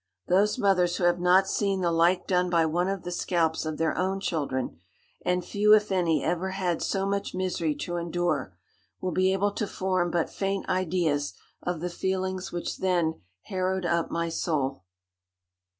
Those mothers who have not seen the like done by one of the scalps of their own children, (and few, if any, ever had so much misery to endure,) will be able to form but faint ideas of the feelings which then harrowed up my soul!"